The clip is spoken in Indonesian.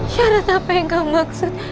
syarat apa yang kau maksud